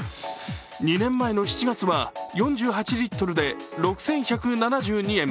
２年前の７月は４８リットルで６１７２円